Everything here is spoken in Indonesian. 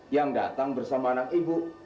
yang datang bersama anak ibu